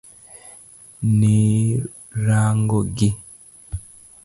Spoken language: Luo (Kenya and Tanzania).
Norango gi.